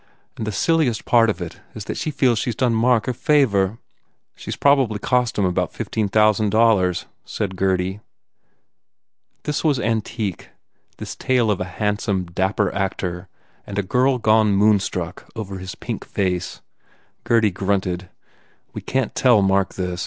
And the silliest part of it is that she feels she s done Mark a favour." "She s probably cost him about fifteen thousand dollars," said Gurdy. This was antique, this tale of a handsome, dapper actor and a girl gone moonstruck over his pink face. Gurdy grunted, "We can t tell Mark this.